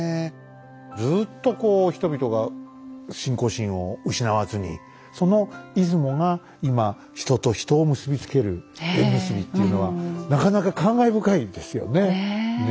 ずっとこう人々が信仰心を失わずにその出雲が今人と人を結び付ける縁結びっていうのはなかなか感慨深いですよね。